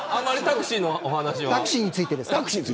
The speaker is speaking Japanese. タクシーについてですか。